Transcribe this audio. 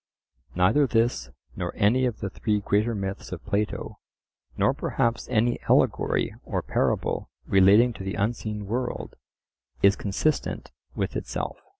Neither this, nor any of the three greater myths of Plato, nor perhaps any allegory or parable relating to the unseen world, is consistent with itself.